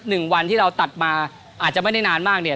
หนึ่งวันที่เราตัดมาอาจจะไม่ได้นานมากเนี่ย